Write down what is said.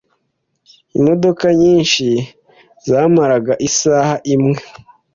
Imodoka nyinshi zamaraga isaha imwe.